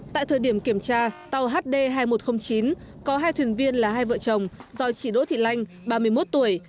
tại thời điểm kiểm tra tàu hd hai nghìn một trăm linh chín có hai thuyền viên là hai vợ chồng do chị đỗ thị lanh ba mươi một tuổi